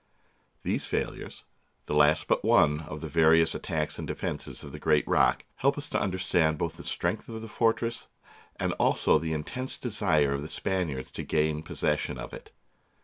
These failures, the last but one of the various attacks and defences of the great rock, help us to understand both the strength of the fortress and also the intense desire of the Spaniards to gain pos session of it.